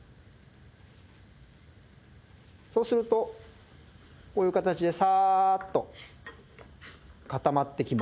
そうするとこういう形でサーッと固まってきます。